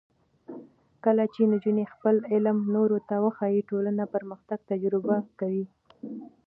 کله چې نجونې خپل علم نورو ته وښيي، ټولنه پرمختګ تجربه کوي.